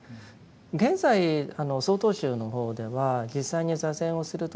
現在曹洞宗の方では実際に坐禅をする時にですね